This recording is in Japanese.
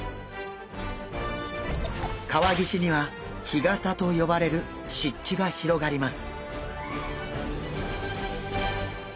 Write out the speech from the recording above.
川岸には干潟と呼ばれる湿地が広がります。